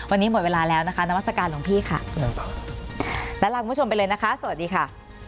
วันนี้หมดเวลาแล้วนะคะนามัศกาลหลวงพี่ค่ะและลาคุณผู้ชมไปเลยนะคะสวัสดีค่ะ